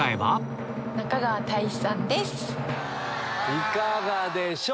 いかがでしょう？